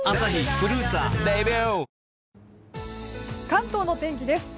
関東の天気です。